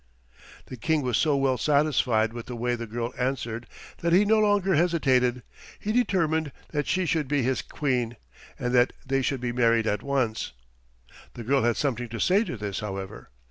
The King was so well satisfied with the way the girl answered that he no longer hesitated; he determined that she should be his Queen, and that they should be married at once. The girl had something to say to this, however.